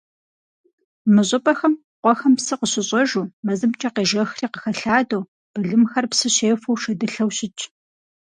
Мы щӀыпӀэхэм, къуэхэм псы къыщыщӀэжу, мэзымкӀэ къежэхри къыхэлъадэу, былымхэр псы щефэу шэдылъэу щытщ.